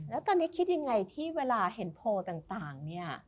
แล้วตอนนี้คิดยังไงที่เวลาเห็นโพลต่างเนี่ย